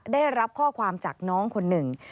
ได้รับข้อความจากน้องคนหนึ่ง